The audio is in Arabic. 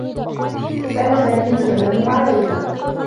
كان سامي يتكلّم مع ليلى.